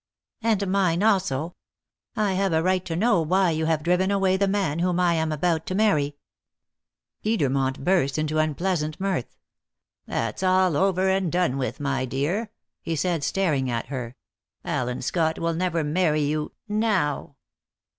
"And mine also. I have a right to know why you have driven away the man whom I am about to marry." Edermont burst into unpleasant mirth. "That's all over and done with, my dear," he said, staring at her. "Allen Scott will never marry you now."